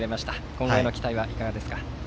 今後の期待はどうですか。